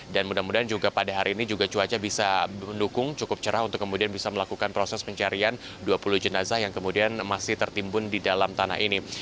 dan mudah mudahan juga pada hari ini juga cuaca bisa mendukung cukup cerah untuk kemudian bisa melakukan proses pencarian dua puluh jenazah yang kemudian masih tertimbun di dalam tanah ini